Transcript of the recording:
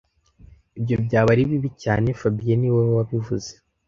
Ibyo byaba ari bibi cyane fabien niwe wabivuze